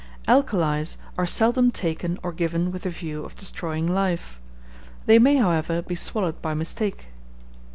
_ Alkalis are seldom taken or given with the view of destroying life. They may, however, be swallowed by mistake.